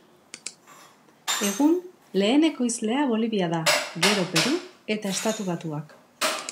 Egun, lehen ekoizlea Bolivia da, gero Peru eta Estatu Batuak.